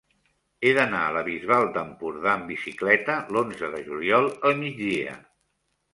He d'anar a la Bisbal d'Empordà amb bicicleta l'onze de juliol al migdia.